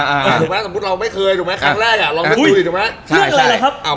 ถูกมั้ยครั้งแรกแล้วเราไปดูดิดูมั้ย